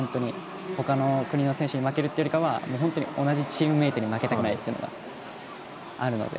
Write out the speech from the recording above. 他の国の選手に負けるより同じチームメートに負けたくないというのがあるので。